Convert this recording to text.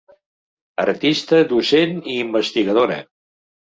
Artista, docent i investigadora.